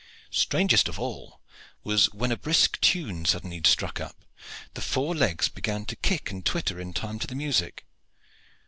Strangest of all was when a brisk tune struck suddenly up and the four legs began to kick and twitter in time to the music.